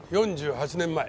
４８年前。